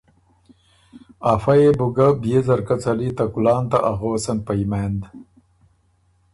افۀ يې بو ګۀ بيې ځرکۀ څلی ته کُلان ته اغوڅن په یمېند۔